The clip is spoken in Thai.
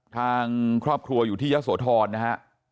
ทางครอบครัวอยู่ที่ยะโสธรนะฮะ